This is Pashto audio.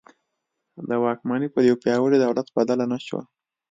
د واکمني پر یوه پیاوړي دولت بدله نه شوه.